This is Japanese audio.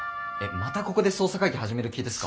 またここで捜査会議始める気ですか？